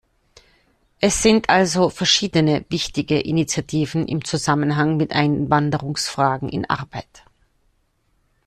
Es sind also verschiedene wichtige Initiativen im Zusammenhang mit Einwanderungsfragen in Arbeit.